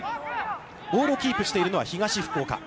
ボールをキープしているのは東福岡。